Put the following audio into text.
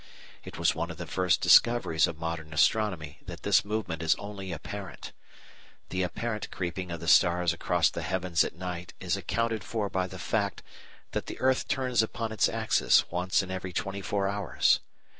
It was one of the first discoveries of modern astronomy that this movement is only apparent. The apparent creeping of the stars across the heavens at night is accounted for by the fact that the earth turns upon its axis once in every twenty four hours.